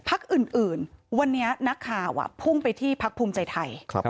พักอื่นวันนี้นักข่าวพุ่งไปที่พักภูมิใจไทย